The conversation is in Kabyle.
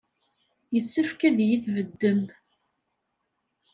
Yessefk ad iyi-tbeddem.